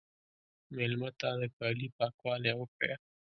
مېلمه ته د کالي پاکوالی وښیه.